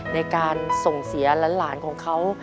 ในการส่งเสียหลานของเขา